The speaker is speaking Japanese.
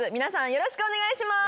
よろしくお願いします。